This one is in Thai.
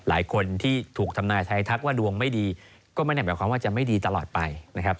หลายคนที่ถูกทำนายไทยทักว่าดวงไม่ดีก็ไม่ได้หมายความว่าจะไม่ดีตลอดไปนะครับ